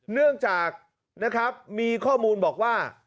เนื่องจากนะครับมีข้อมูลบอกว่า